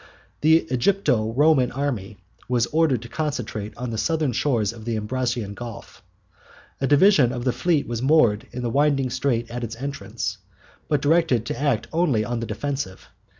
The Egypto Roman army was ordered to concentrate on the southern shores of the Ambracian Gulf. A division of the fleet was moored in the winding strait at its entrance, but directed to act only on the defensive.